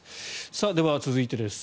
では、続いてです。